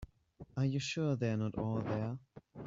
Are you sure they are not all there?